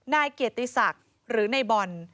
นายเกียรติศักดิ์หรือในบอล